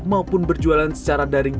maupun berjualan secara dari media sosial